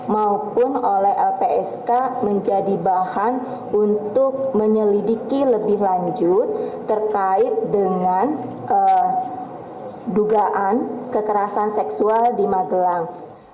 maupun oleh lpsk menjadi bahan untuk menyelidiki lebih lanjut terkait dengan dugaan kekerasan seksual di magelang